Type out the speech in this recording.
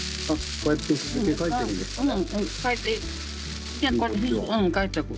こうやって書いておく。